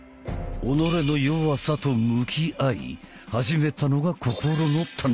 己の弱さと向き合い始めたのが心の鍛錬。